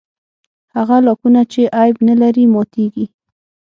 هغه لاکونه چې عیب نه لري ماتېږي.